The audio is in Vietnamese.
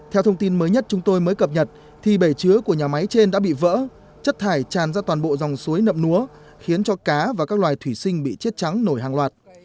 theo thông tin mới nhất chúng tôi mới cập nhật thì bể chứa của nhà máy trên đã bị vỡ chất thải tràn ra toàn bộ dòng suối nậm núa khiến cho cá và các loài thủy sinh bị chết trắng nổi hàng loạt